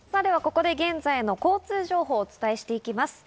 ここで現在の交通情報をお伝えします。